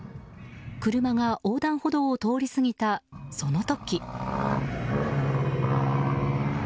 車が横断歩道を通り過ぎたその時。